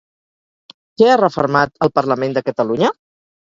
Què ha refermat el Parlament de Catalunya?